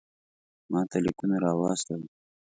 ماته لیکونه را واستوئ.